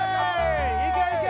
いけいけ！